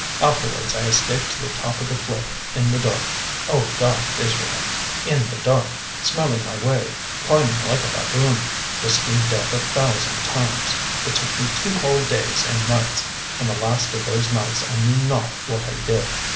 Afterwards I escaped to the top of the cliff in the dark, O God of Israel! in the dark, smelling my way, climbing like a baboon, risking death a thousand times. It took me two whole days and nights, and the last of those nights I knew not what I did.